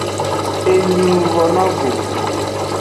Enyi ng von no go.